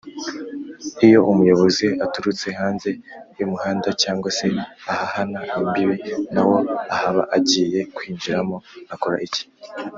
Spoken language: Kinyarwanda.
iyo umuyobozi aturutse hanze y’umuhanda cg se ahahana imbibi nawo akaba agiye kuwinjiramo akora iki